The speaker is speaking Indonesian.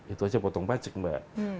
itu aja potong pajak mbak